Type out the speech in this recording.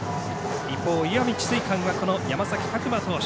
一方、石見智翠館は山崎琢磨投手。